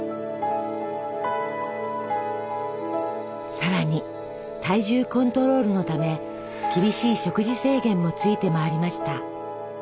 さらに体重コントロールのため厳しい食事制限もついて回りました。